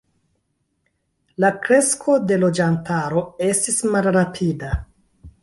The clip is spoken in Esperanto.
La kresko de loĝantaro estis malrapida.